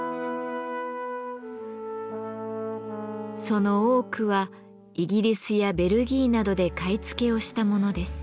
その多くはイギリスやベルギーなどで買い付けをしたものです。